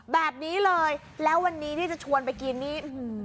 แบบนี้เลยแล้ววันนี้ที่จะชวนไปกินนี่